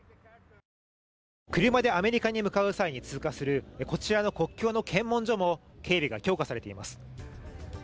車でアメリカに向かう際に通過するこちらの国境の検問所も警備が強化されています。